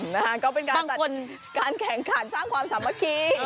นะฮะก็เป็นสิ่งที่การแข่งขัดสร้างความสามัคคิ